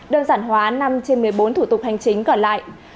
đơn giản hóa năm trên một mươi bốn thủ tục hành chính còn lại